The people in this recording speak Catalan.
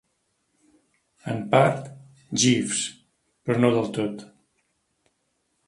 En part, Jeeves, però no del tot.